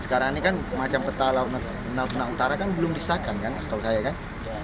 sekarang ini kan macam peta laut natuna utara kan belum disahkan kan setahu saya kan